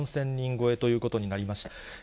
人超えということになりました。